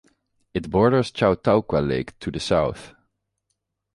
It borders Chautauqua Lake to the south.